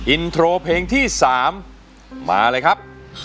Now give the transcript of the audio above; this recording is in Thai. อินโทรเพลงที่๓มาเลยครับ